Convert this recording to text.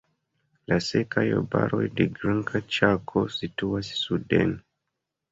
La sekaj arbaroj de Granda Ĉako situas suden.